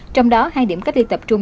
trong đó hai điểm cách ly tập trung